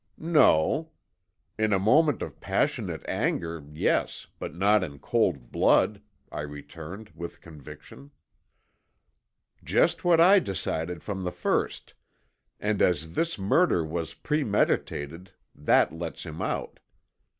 "No. In a moment of passionate anger, yes, but not in cold blood," I returned with conviction. "Just what I decided from the first, and as this murder was premeditated, that let's him out.